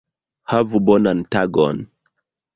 Havu bonan tagon!